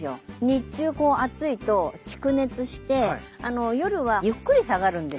日中暑いと蓄熱して夜はゆっくり下がるんですって。